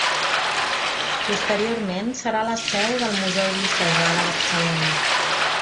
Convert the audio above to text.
Posteriorment serà la seu del Museu Diocesà de Barcelona.